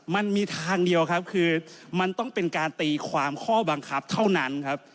มันมีทางเดียวครับคือมันต้องเป็นการตีความข้อบังคับเท่านั้นครับ